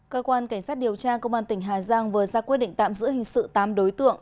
cơ quan cảnh sát điều tra công an tỉnh hà giang vừa ra quyết định tạm giữ hình sự tám đối tượng